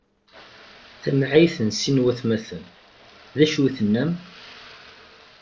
Tamɛayt n sin n watmaten: D acu i tennam?